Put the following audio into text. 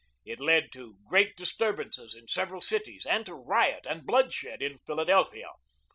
It led to great disturbances in several cities, and to riot and bloodshed in Philadelphia.